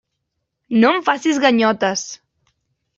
No em facis ganyotes.